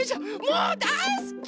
もうだいすき！